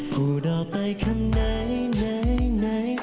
พูดออกไปคำไหนไหนไหน